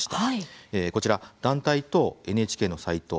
こちら団体とＮＨＫのサイト